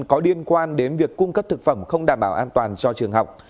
có liên quan đến việc cung cấp thực phẩm không đảm bảo an toàn cho trường học